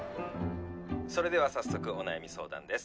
「それでは早速お悩み相談です」